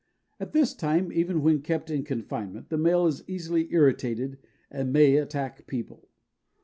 At this time, even when kept in confinement, the male is easily irritated and may attack people.